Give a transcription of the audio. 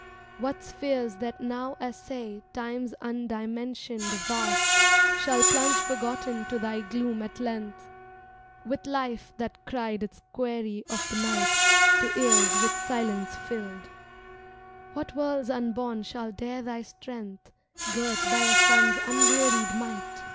What spheres that now assay Time's undimensioned vast Shall plunge forgotten to thy gloom at length. With life that cried its query of the night To ears with silence filled! ^^ What worlds unborn shall dare thy strength, ^y Girt by a sun's unwearied might.